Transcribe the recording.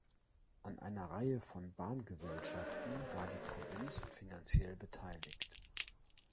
An einer Reihe von Bahngesellschaften war die Provinz finanziell beteiligt.